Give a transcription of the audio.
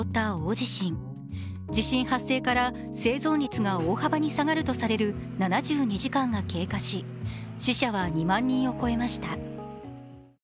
地震発生から生存率が大幅に下がるとされる７２時間が経過し死者は２万人を超えました。